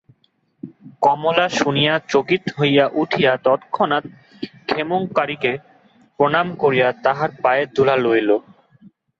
কমলা শুনিয়া চকিত হইয়া উঠিয়া, তৎক্ষণাৎ ক্ষেমংকরীকে প্রণাম করিয়া তাঁহার পায়ের ধুলা লইল।